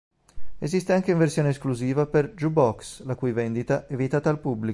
Esiste anche in versione esclusiva per jukebox, la cui vendita è vietata al pubblico.